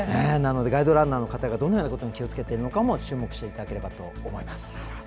ガイドランナーの方がどんなことに注意しているかも注目してもらえればと思います。